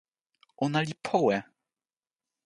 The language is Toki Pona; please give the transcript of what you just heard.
ona li powe!